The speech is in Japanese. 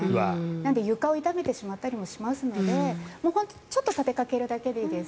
なので床を傷めてしまったりするのでちょっと立てかけるだけでいいです。